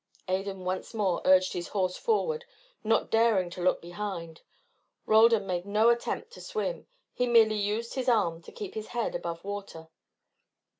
Adan once more urged his horse forward, not daring to look behind. Roldan made no attempt to swim; he merely used his arms to keep his head above water.